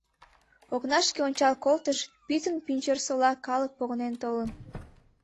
Окнашке ончал колтыш — пӱтынь Пӱнчерсола калык погынен толын.